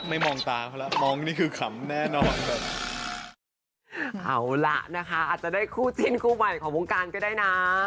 ไม่มองตาเพราะละมองนี่คือขำแน่นอน